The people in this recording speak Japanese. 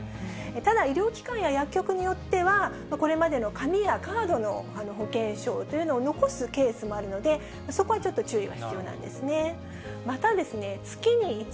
ただ医療機関や薬局によっては、これまでの紙やカードの保険証というのを残すケースもあるので、そこはちょっと注意が必要なんですね。